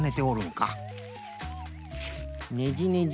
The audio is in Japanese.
ねじねじ。